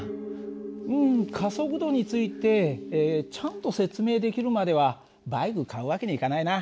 うん加速度についてちゃんと説明できるまではバイク買う訳にはいかないな。